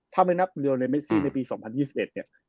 ถ้าไม่นับเร็วในเมซี่ในปี๒๐๒๑เนี่ย